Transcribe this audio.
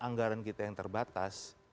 anggaran kita yang terbatas